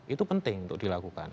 itu penting untuk dilakukan